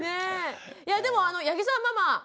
いやでも八木さんママ。